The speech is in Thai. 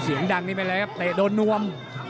เสียงดังนี้ไปเลยครับเตะโดนนวม